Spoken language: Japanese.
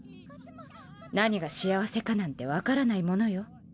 何が幸せかなんて分からないものよ。